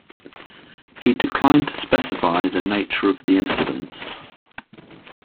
He declined to specify the nature of the incidents.